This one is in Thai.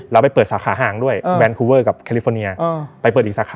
ไปเปิดสาขาห่างด้วยแวนคูเวอร์กับแคลิฟอร์เนียไปเปิดอีกสาขา